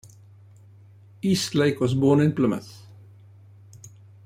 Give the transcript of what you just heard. Eastlake was born in Plymouth.